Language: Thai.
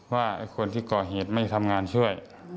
ว่าคนที่ก่อเหตุไม่ทำงานช่วย